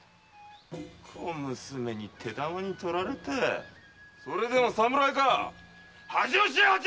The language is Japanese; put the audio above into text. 小娘に手玉に取られてそれでも侍か⁉恥を知れ‼